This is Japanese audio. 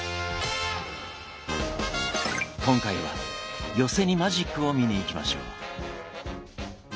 今回は寄席にマジックを見に行きましょう。